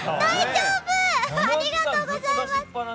ありがとうございます！